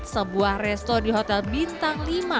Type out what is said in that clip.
sebuah resto di hotel bintang lima